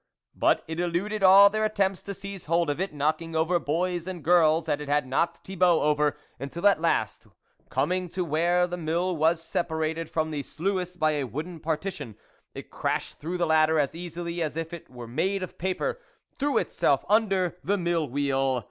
But it eluded all their attempts to seize hold of it, knocking over boys and girls, as it had knocked Thibault over, until, at last, coming to where the mill was separated from the sluice by a wooden partition, it crashed through the latter as easily as if it were made of paper, threw itself under the mill wheel